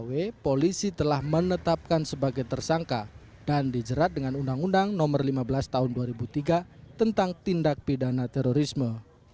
w polisi telah menetapkan sebagai tersangka dan dijerat dengan undang undang nomor lima belas tahun dua ribu tiga tentang tindak pidana terorisme